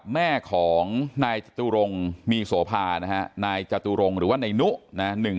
แม่ของนายจตุรงมีโสภานะฮะนายจตุรงค์หรือว่านายนุนะ